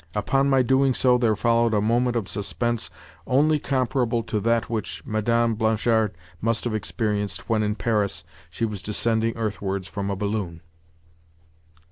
Upon my doing so there followed a moment of suspense only comparable to that which Madame Blanchard must have experienced when, in Paris, she was descending earthwards from a balloon.